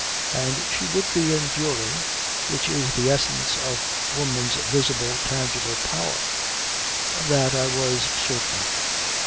And she would be enduring which is the essence of woman's visible, tangible power. Of that I was certain.